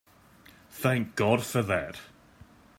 Thank God for that!